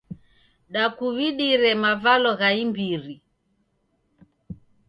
Dakuw'idire mavalo gha imbiri.